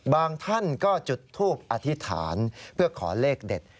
ท่านก็จุดทูปอธิษฐานเพื่อขอเลขเด็ด